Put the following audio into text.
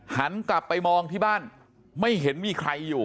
หันกลับไปมองที่บ้านไม่เห็นมีใครอยู่